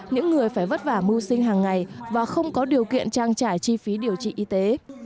những người phải vất vả mưu sinh hàng ngày và không có điều kiện trang trải chi phí điều trị y tế